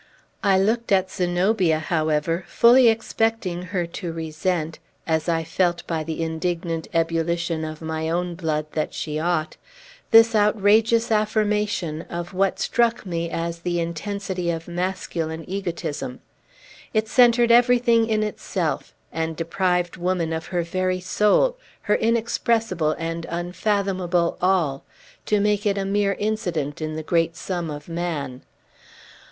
I looked at Zenobia, however, fully expecting her to resent as I felt, by the indignant ebullition of my own blood, that she ought this outrageous affirmation of what struck me as the intensity of masculine egotism. It centred everything in itself, and deprived woman of her very soul, her inexpressible and unfathomable all, to make it a mere incident in the great sum of man.